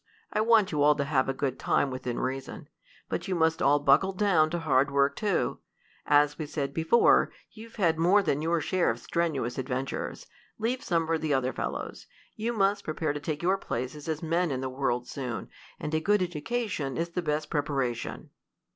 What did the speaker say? I want you all to have a good time within reason. But you must all buckle down to hard work too. As we said before, you've had more than your share of strenuous adventures. Leave some for the other fellows. You must prepare to take your places as men in the world soon, and a good education is the best preparation."